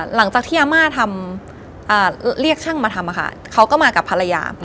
หลังจากที่อาม่าทำเรียกช่างมาทำเขาก็มากับภรรยา